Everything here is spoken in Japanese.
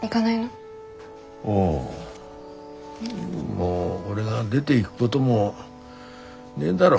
もう俺が出でいぐごどもねえだろ。